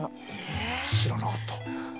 え知らなかった。